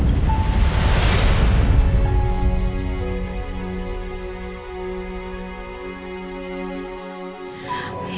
satu hari nanti